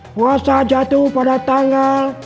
puasa jatuh pada tanggal dua puluh tujuh mei dua ribu tujuh belas